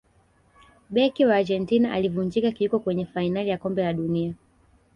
beki wa argentina alivunjika kiwiko kwenye fainali ya kombe la dunia